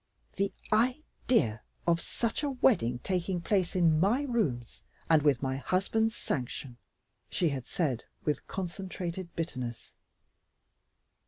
"The idea of such a wedding taking place in my rooms and with my husband's sanction!" she had said with concentrated bitterness.